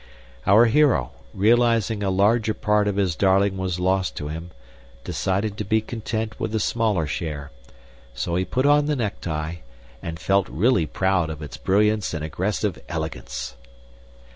Our hero, realizing a larger part of his darling was lost to him, decided to be content with the smaller share; so he put on the necktie, and felt really proud of its brilliance and aggressive elegance.